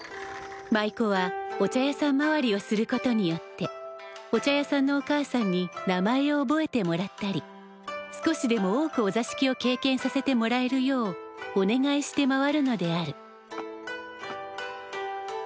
舞妓はお茶屋さん回りをすることによってお茶屋さんのおかあさんに名前を覚えてもらったり少しでも多くお座敷を経験させてもらえるようお願いして回るのである。